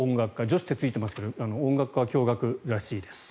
女子ってついていますが音楽科は共学らしいです。